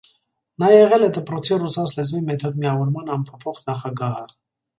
Նա եղել է դպրոցի ռուսաց լեզվի մեթոդմիավորման անփոփոխ նախագահը։